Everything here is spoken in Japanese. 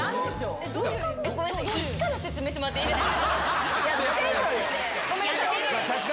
ごめんなさい、一から説明してもらっていいですか？